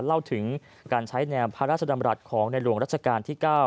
เล่าถึงการใช้แนวพระราชดำรัฐของในหลวงรัชกาลที่๙